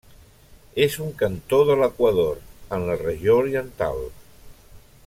És un cantó de l'Equador, en la Regió Oriental.